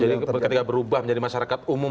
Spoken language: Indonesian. jadi ketika berubah menjadi masyarakat umum